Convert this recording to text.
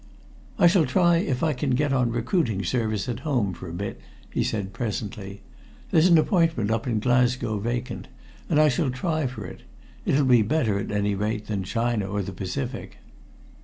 "I shall try if I can get on recruiting service at home for a bit," he said presently. "There's an appointment up in Glasgow vacant, and I shall try for it. It'll be better, at any rate, than China or the Pacific."